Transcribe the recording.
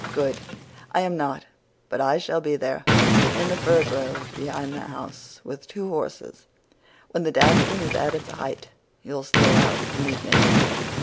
"'Good. I am not but I shall be there in the fir grove behind the house, with two horses. When the dancing is at its height you'll steal out to meet me.